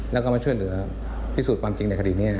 แล้วก็มาช่วยเหลือพิสูจน์ความจริงในคดีนี้